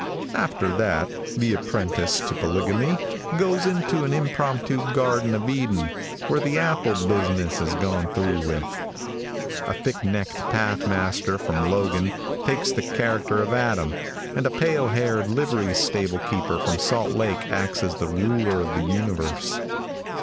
After that, the apprentice to polygamy goes into an impromptu garden of Eden, where the apple business is gone through with. A thick necked path master from Logan takes the character of Adam, and a pale haired livery stable keeper from Salt Lake acts as the ruler of the universe.